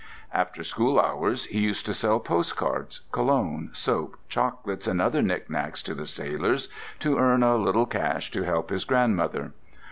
After school hours he used to sell postcards, cologne, soap, chocolates, and other knicknacks to the sailors, to earn a little cash to help his grandmother.